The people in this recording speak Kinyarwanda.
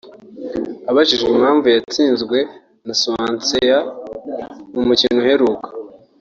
Abajijwe impamvu yaratsinzwe na Swansea mu mukino uheruka